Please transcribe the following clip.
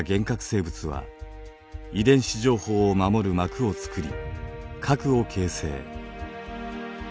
生物は遺伝子情報を守る膜をつくり核を形成。